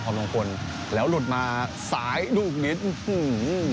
พรมงคลแล้วหลุดมาสายลูกนิดอื้อหือ